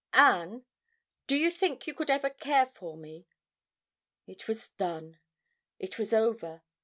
"Anne, do you think you could ever care for me?" It was done. It was over.